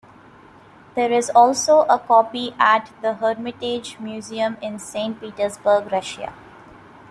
There is also a copy at the Hermitage Museum in Saint Petersburg, Russia.